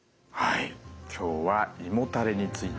はい。